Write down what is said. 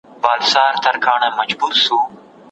له هغې ورځي